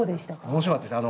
面白かったです。